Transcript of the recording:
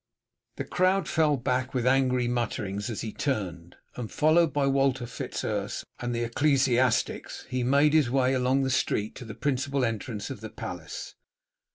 The crowd fell back with angry mutterings as he turned, and, followed by Walter Fitz Urse and the ecclesiastics, made his way along the street to the principal entrance of the palace.